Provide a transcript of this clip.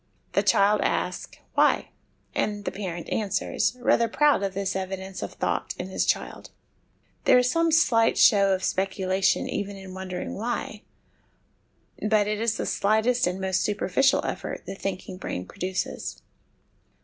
The child asks 'Why?' and the parent answers, rather proud of this evidence of thought in his child. There is some slight show of speculation even in wondering c Why ?' but it is the slightest and most superficial effort the thinking brain produces.